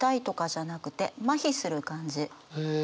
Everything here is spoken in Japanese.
へえ。